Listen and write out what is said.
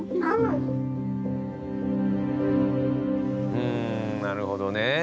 うんなるほどね。